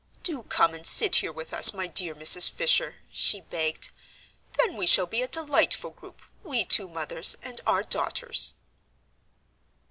"Do come and sit here with us, my dear Mrs. Fisher," she begged, "then we shall be a delightful group, we two mothers and our daughters."